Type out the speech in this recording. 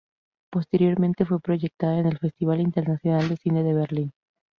Posteriormente fue proyectada en el Festival Internacional de Cine de Berlín.